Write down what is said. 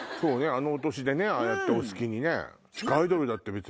あのお年でああやってお好きにね。